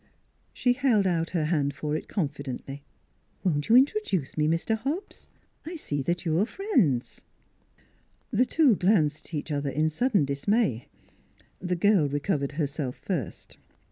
" She held out her hand for it confidently. " Won't you introduce me, Mr. Hobbs? I see that you are friends." 1 66 NEIGHBORS The two glanced at each other in sudden dis may. The girl recovered herself first.